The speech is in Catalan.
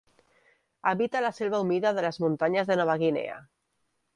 Habita la selva humida de les muntanyes de Nova Guinea.